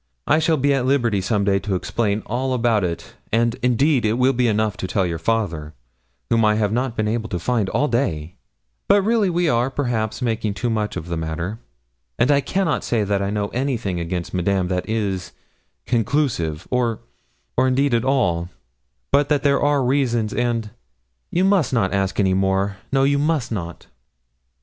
I shall be at liberty some day to explain all about it, and, indeed, it will be enough to tell your father, whom I have not been able to find all day; but really we are, perhaps, making too much of the matter, and I cannot say that I know anything against Madame that is conclusive, or or, indeed, at all; but that there are reasons, and you must not ask any more no, you must not.'